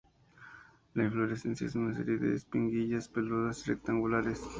La inflorescencia es una serie de espiguillas peludas y rectangulares.